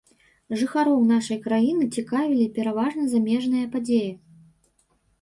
Жыхароў нашай краіны цікавілі пераважна замежныя падзеі.